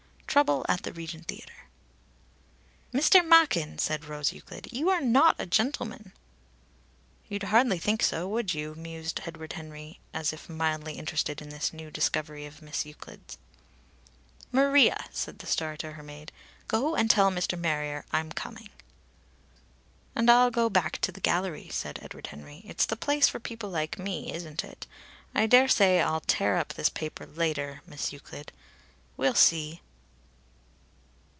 'Trouble at the Regent Theatre.'" "Mr. Machin," said Rose Euclid, "you are not a gentleman." "You'd hardly think so, would you?" mused Edward Henry, as if mildly interested in this new discovery of Miss Euclid's. "Maria," said the star to her maid, "go and tell Mr. Marrier I'm coming." "And I'll go back to the gallery," said Edward Henry. "It's the place for people like me, isn't it? I daresay I'll tear up this paper later, Miss Euclid we'll see."